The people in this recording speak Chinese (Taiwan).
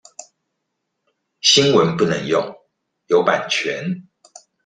新聞不能用，有版權